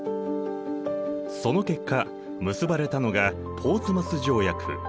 その結果結ばれたのがポーツマス条約。